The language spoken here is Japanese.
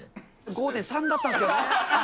５．３だったんですけどね。